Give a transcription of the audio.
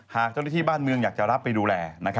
หากเจ้าหน้าที่บ้านเมืองอยากจะรับไปดูแล